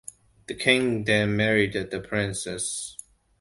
The King then married the Princess.